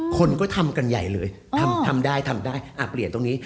คนก็ทำกันใหญ่เลยทำได้ทำได้เปลี่ยนตรงนี้